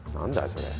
それ。